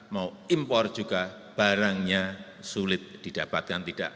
mau impor juga barangnya sulit didapatkan tidak